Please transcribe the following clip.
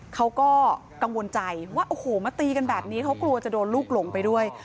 เขาก็กังวลใจว่าโอ้โหมาตีกันแบบนี้เขากลัวจะโดนลูกหลงไปด้วย